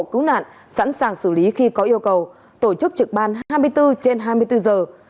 cứu nạn sẵn sàng xử lý khi có yêu cầu tổ chức trực ban hai mươi bốn trên hai mươi bốn giờ